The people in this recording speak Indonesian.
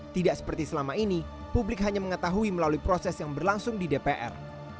tidak seperti selama ini publik hanya mengetahui melalui proses yang berlangsung di dpr